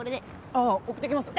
あっ送っていきますよ。